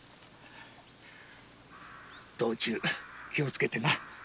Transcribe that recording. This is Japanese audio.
道中気をつけてな。